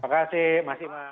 terima kasih mas imam